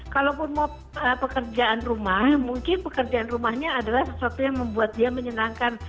kalaupun mau pekerjaan rumah mungkin pekerjaan rumahnya adalah sesuatu yang membuat dia menyenangkan